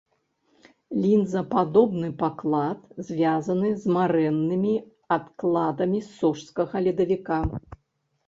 Лінзападобны паклад звязаны з марэннымі адкладамі сожскага ледавіка.